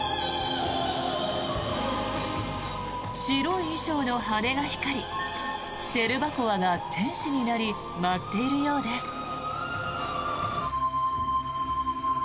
白い衣装の羽が光りシェルバコワが天使になり舞っているようです。